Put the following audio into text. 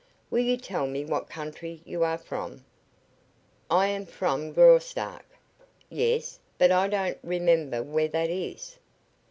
"Will you tell me what country you are from?" "I am from Graustark." "Yes; but I don't remember where that is."